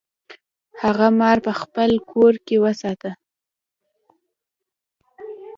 هغه مار په خپل کور کې وساته.